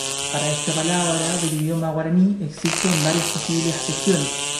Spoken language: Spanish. Para esta palabra del idioma guaraní existen varias posibles acepciones.